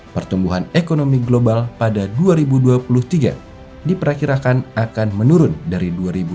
pertumbuhan ekonomi global pada dua ribu dua puluh tiga diperkirakan akan menurun dari dua ribu dua puluh